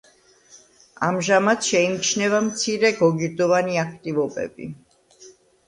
ამჟამად შეიმჩნევა მცირე გოგირდოვანი აქტივობები.